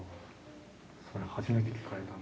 それ初めて聞かれたな。